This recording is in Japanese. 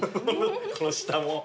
この下も。